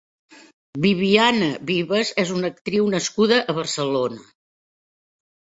Viviane Vives és una actriu nascuda a Barcelona.